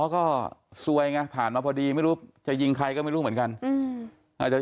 ก็ซวยไงผ่านมาพอดีไม่รู้จะยิงใครก็ไม่รู้เหมือนกัน